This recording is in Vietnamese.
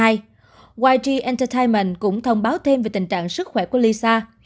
yg entertainment cũng thông báo thêm về tình trạng sức khỏe của lisa